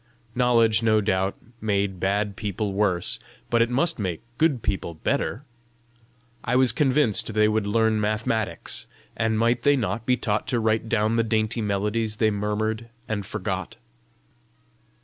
Knowledge no doubt made bad people worse, but it must make good people better! I was convinced they would learn mathematics; and might they not be taught to write down the dainty melodies they murmured and forgot?